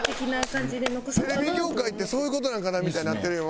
テレビ業界ってそういう事なんかなみたいになってるよ